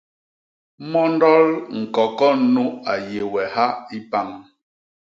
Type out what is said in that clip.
Mondol ñkokon nu a yé we ha i pañ.